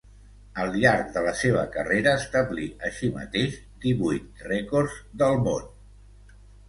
Al llarg de la seva carrera establí, així mateix, divuit rècords del món.